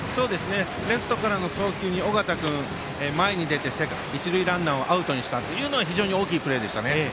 レフトからの送球に尾形君前に出て一塁ランナーをアウトにしたのは非常に大きいプレーでしたね。